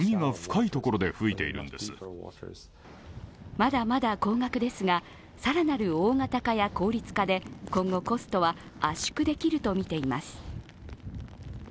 まだまだ高額ですが、更なる大型化や効率化で今後コストは圧縮できるとみています。